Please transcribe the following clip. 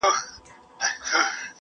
د کيسې دردناک اثر لا هم ذهن کي پاتې,